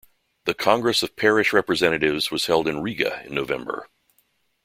The Congress of Parish Representatives was held in Riga in November.